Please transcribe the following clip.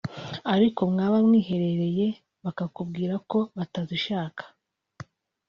ariko mwaba mwiherereye bakakubwira ko batazishaka